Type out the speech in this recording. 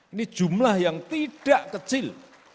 ini jumlah yang tidak kecil